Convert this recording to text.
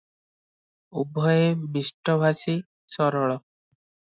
ଉଭୟେ ମିଷ୍ଟଭାଷୀ, ସରଳ ।